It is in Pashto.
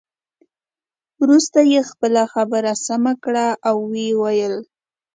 وروسته یې خپله خبره سمه کړه او ويې ویل.